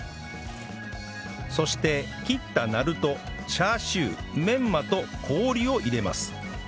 そして切ったなるとチャーシューメンマと氷を入れます